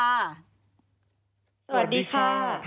สวัสดีค่ะ